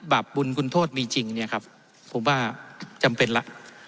บาปบุญคุณโทษมีจริงเนี่ยครับผมว่าจำเป็นแล้ว